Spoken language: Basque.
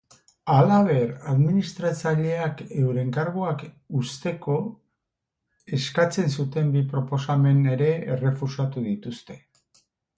Halaber, administraileak euren karguak usteko eskatzen zuten bi proposamen ere errefusatu dituzte.